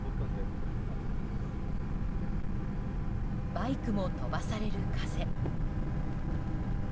バイクも飛ばされる風。